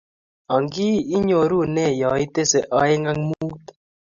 Ang ii! I nyoru ne yaetese aeng ak mut?